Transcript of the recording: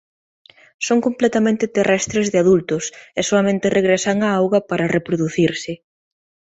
Son completamente terrestres de adultos e soamente regresan á auga para reproducirse.